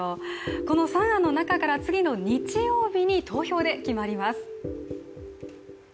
この３案の中から次の日曜日に投票で決まります。